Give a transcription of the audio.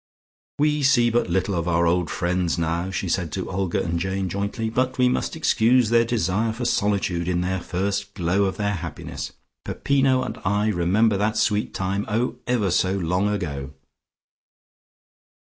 "We see but little of our old friends now," she said to Olga and Jane jointly, "but we must excuse their desire for solitude in their first glow of their happiness. Peppino and I remember that sweet time, oh, ever so long ago."